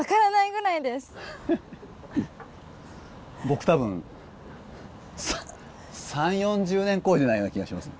僕多分３０４０年こいでないような気がします。